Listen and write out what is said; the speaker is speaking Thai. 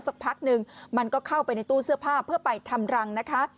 สักพักนึงมันก็เข้าไปในตู้เสื้อผ้าเพื่อไปทำรังนะคะ